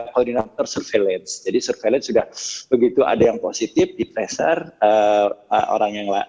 koordinator surveillance jadi surveillance sudah begitu ada yang positif di pressure orang yang